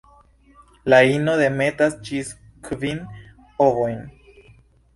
La ino demetas ĝis kvin ovojn.